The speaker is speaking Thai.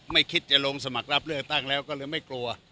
ไม่คิดจะลงสมัครรับเลือกตั้งแล้วก็เลยไม่กลัว